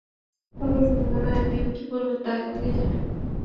কথা শুনে মনে হয় তিনি কী বলবেন তা আগেভাগেই জানেন।